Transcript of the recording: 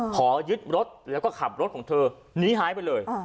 ขอยึดรถแล้วก็ขับรถของเธอนี้หายไปเลย